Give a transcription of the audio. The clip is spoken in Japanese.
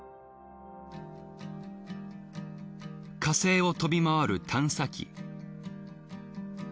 火星を飛び回る探査機。